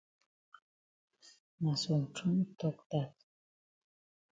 Na some trong tok dat.